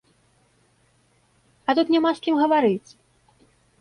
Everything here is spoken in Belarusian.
А тут няма з кім гаварыць!